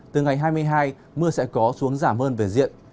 từ ngày hai mươi hai mưa sẽ có xuống giảm hơn về diện